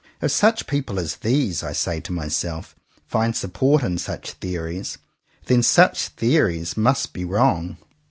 "If such people as these 'I say to myself find support in such theories, then such theo ries must be wrong!"